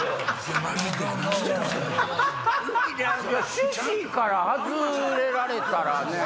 趣旨から外れられたらねぇ。